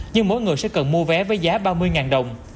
nhưng mỗi người sẽ cần mua vé với giá ba mươi đồng